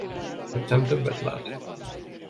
Több szem többet lát.